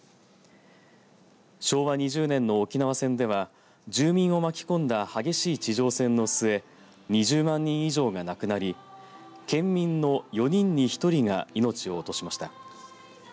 昭和２０年の沖縄戦では住民を巻き込んだ激しい地上戦の末２０万人以上が亡くなり県民の４人に１人が命を落としました。